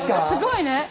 すごいね。